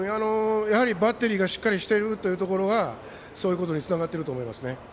バッテリーがしっかりしているというところがそういうことにつながってると思います。